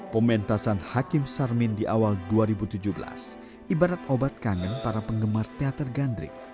pertama di tahun dua ribu tujuh belas ibarat obat kangen para penggemar teater gandrik